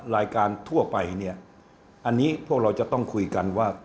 รายการทั่วไปเนี่ยอันนี้พวกเราจะต้องคุยกันว่า